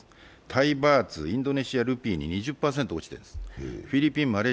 タイバーツ、インドネシアルピーで２０％落ちているんです。